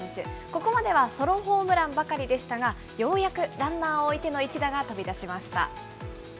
ここまではソロホームランばかりでしたがようやくランナーを置いての一打が飛び出しました。